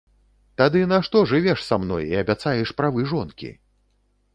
Тады нашто жывеш са мной і абяцаеш правы жонкі?